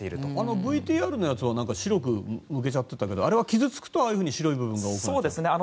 ＶＴＲのやつは白く抜けちゃってたけどあれは傷つくと、ああいうふうに白い部分が多くなるの？